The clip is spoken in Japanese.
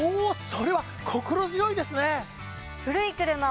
それは心強いですね！